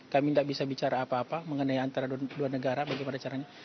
kami tidak bisa bicara apa apa mengenai antara dua negara bagaimana caranya